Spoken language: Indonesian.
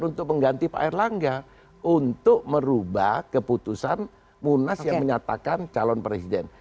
untuk mengganti pak erlangga untuk merubah keputusan munas yang menyatakan calon presiden